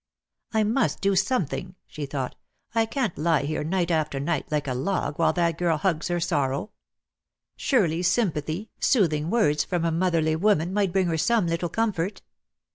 "I must do something," she thought. "I can't lie here, night after night, like a log, while that girl hugs her sorrow. Surely sympathy, soothing words 14 DEAD LOVE HAS CHAINS. from a motherly woman, might bring her some little comfort."